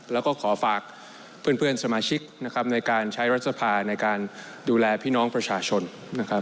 แล้วก็ขอฝากเพื่อนสมาชิกนะครับในการใช้รัฐสภาในการดูแลพี่น้องประชาชนนะครับ